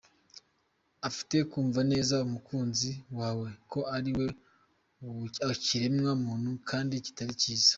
Ufite kumva neza umukunzi wawe ko ari we kiremwa muntu kandi kitari cyiza.